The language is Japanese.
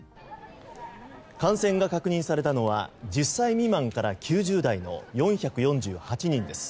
感染が確認されたのは１０歳未満から９０代の４４８人です。